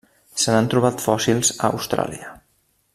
Se n'han trobat fòssils a Austràlia.